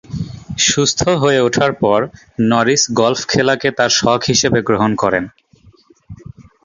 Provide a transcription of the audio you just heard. সুস্থ হয়ে ওঠার পর, নরিস গলফ খেলাকে তার শখ হিসেবে গ্রহণ করেন।